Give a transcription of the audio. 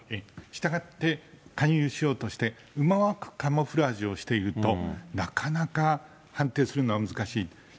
したがって勧誘しようとして、うまーくカモフラージュをしていると、なかなか判定するのは難しい。